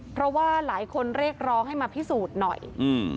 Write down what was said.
เพราะว่าหลายคนเรียกร้องให้มาพิสูจน์หน่อยอืม